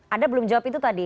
anda belum jawab itu tadi